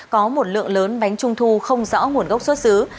có một lượng lớn bánh trung thu không rõ nguồn gốc xuất xứ